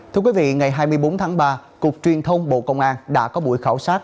thưa quý vị ngày hai mươi bốn tháng ba cục truyền thông bộ công an đã có buổi khảo sát